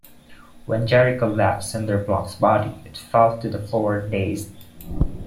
When Jericho left Cinderblock's body, it fell to the floor dazed.